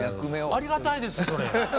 ありがたいですそれ。